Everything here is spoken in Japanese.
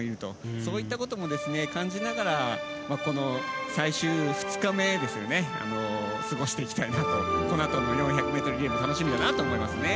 そういったことも感じながらこの最終２日目を過ごしていきたいなとこのあとの４００ｍリレーも楽しみだなと思います。